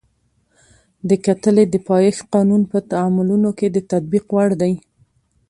د کتلې د پایښت قانون په تعاملونو کې د تطبیق وړ دی.